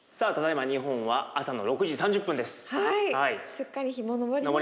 すっかり日も昇りましたね。